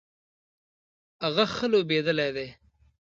هغه ښه لوبیدلی دی